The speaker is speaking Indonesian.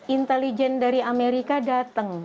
intelijen dari amerika datang